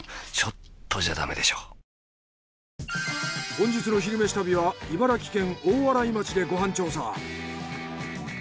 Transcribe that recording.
本日の「昼めし旅」は茨城県大洗町でご飯調査。